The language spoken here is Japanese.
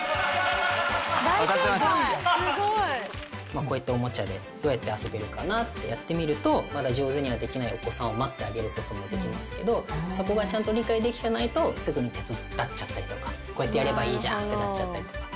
まあこうやっておもちゃでどうやって遊べるかなってやってみるとまだ上手にはできないお子さんを待ってあげる事もできますけどそこがちゃんと理解できてないとすぐに手伝っちゃったりとか「こうやってやればいいじゃん」ってなっちゃったりとか。